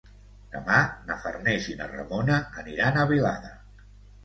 Demà na Farners i na Ramona aniran a Vilada.